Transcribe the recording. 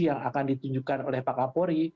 yang akan ditunjukkan oleh pak kapolri